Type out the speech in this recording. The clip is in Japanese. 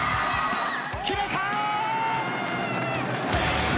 決めた！